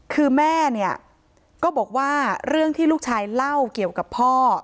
คือแม่เนี่ยก็บอกว่าเรื่องที่ลูกชายเล่าเกี่ยวกับพ่อ